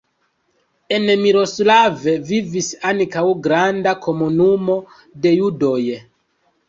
En Miroslav vivis ankaŭ granda komunumo de judoj.